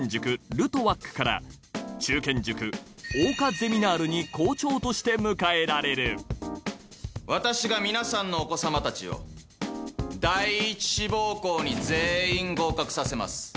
ルトワックから中堅塾桜花ゼミナールに校長として迎えられる私が皆さんのお子様たちを第一志望校に全員合格させます。